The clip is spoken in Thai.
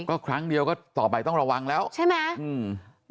ก็ครั้งเดียวก็ต่อไปต้องระวังแล้วใช่ไหมอืม